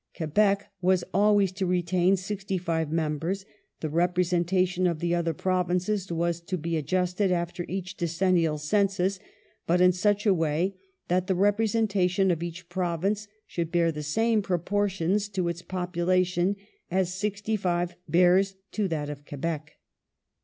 Quebec was always to retain 65 members ; the representation of the other Provinces was to be readjusted after each decennial census, but in such a way that the representation of each Province should bear the same proportions to its population as 65 bears to that of Quebec.'